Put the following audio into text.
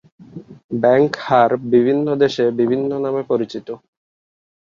Bank হার বিভিন্ন দেশে বিভিন্ন নামে পরিচিত।